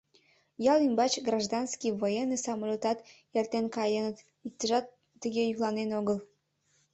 Ял ӱмбач гражданский, военный самолётат эртен каеныт — иктыжат тыге йӱкланен огыл.